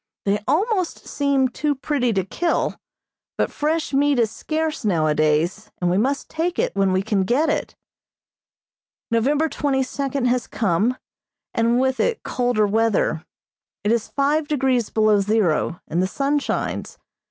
They almost seem too pretty to kill, but fresh meat is scarce nowadays, and we must take it when we can get it. November twenty second has come, and with it colder weather. It is five degrees below zero, and the sun shines.